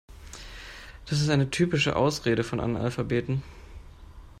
Das ist eine typische Ausrede von Analphabeten.